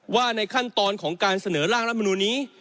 ว่าในขั้นตอนของการเสนอร่างรัฐมนูลนี้